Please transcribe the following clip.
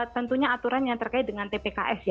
tentunya aturan yang terkait dengan dpks